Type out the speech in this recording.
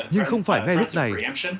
nhưng không phải ngay lúc này